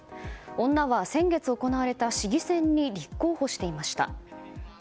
女は先月行われた市議選に立候補していました。